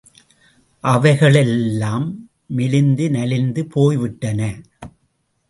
அவை களெல்லாம் மெலிந்து நலிந்து போய்விட்டன!